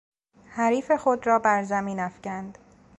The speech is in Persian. حریف خود را بر زمین افکند.